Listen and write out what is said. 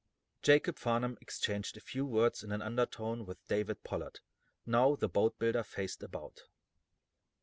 Jacob Farnum exchanged a few words in an undertone with David Pollard. Now, the boat builder faced about.